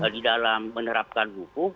di dalam menerapkan hukum